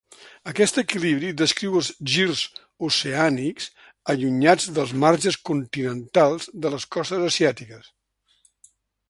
Aquest equilibri descriu els girs oceànics allunyats dels marges continentals de les costes asiàtiques.